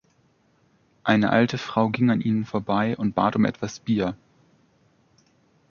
Eine alte Frau ging an ihnen vorbei und bat um etwas Bier.